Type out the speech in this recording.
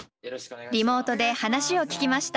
リモートで話を聞きました。